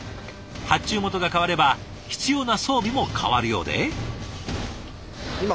発注元が変われば必要な装備も変わるようで。